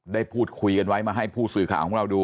ได้พูดคุยกันไว้มาให้ผู้สื่อข่าวของเราดู